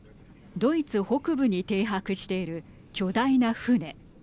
ドイツ北部に停泊している巨大な船。